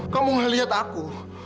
kamu gak lihat aku